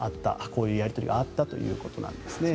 こういうやり取りがあったということなんですね。